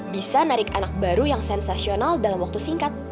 bisa narik anak baru yang sensasional dalam waktu singkat